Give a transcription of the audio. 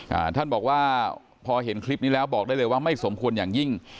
อ่าท่านบอกว่าพอเห็นคลิปนี้แล้วบอกได้เลยว่าไม่สมควรอย่างยิ่ง